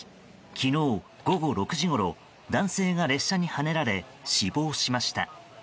昨日午後６時ごろ男性が列車にはねられ死亡しました。